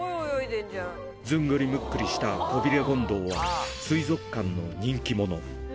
ずんぐりむっくりしたコビレゴンドウは、水族館の人気者。